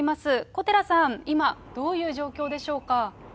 小寺さん、今、どういう状況でしょうか。